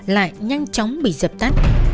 lại nhanh chóng bị dập tắt